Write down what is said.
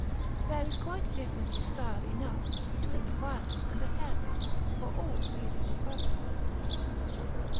There is quite difference of style enough, between a violet and a harebell, for all reasonable purposes.